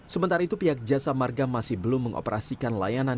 sementara itu pihak jasa marga masih belum mengoperasikan layanan